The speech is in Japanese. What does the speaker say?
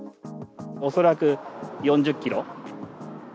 恐らく４０キロ。